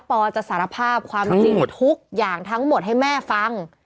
อจะสารภาพความจริงทุกอย่างทั้งหมดให้แม่ฟัง